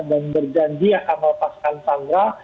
dan berjanji akan melepaskan sandera